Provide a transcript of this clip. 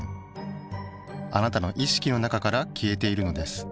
あなたの意識の中から消えているのです。